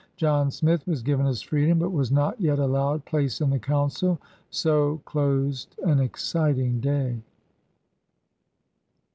John Smith was given his freedom but was not yet allowed place in the Council. So dosed an exciting day.